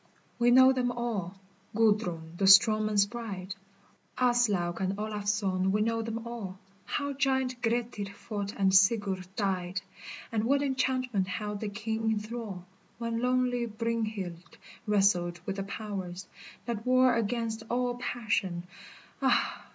We know them all, Gudrun the strong men's bride, Aslaug and Olafson we know them all, How giant Grettir fought and Sigurd died, And what enchantment held the king in thrall When lonely Brynhild wrestled with the powers That war against all passion, ah